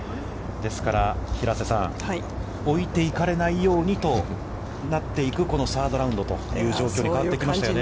ですから、平瀬さん、置いていかれないようにとなっていく、このサードラウンドという状況に変わってきましたよね。